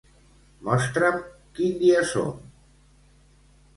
Mostra'm a quin dia som.